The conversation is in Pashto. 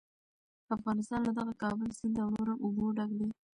افغانستان له دغه کابل سیند او نورو اوبو ډک دی.